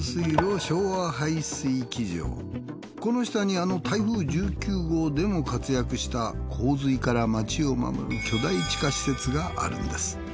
この下にあの台風１９号でも活躍した洪水から街を守る巨大地下施設があるんです。